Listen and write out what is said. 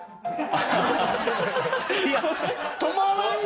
いや止まらんよ！